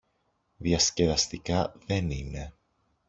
Διασκεδαστικά δεν είναι.